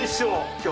今日。